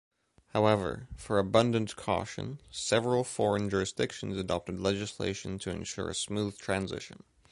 However, for abundant caution, several foreign jurisdictions adopted legislation to ensure a smooth transition.